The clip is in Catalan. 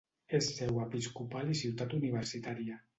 És seu episcopal i ciutat universitària.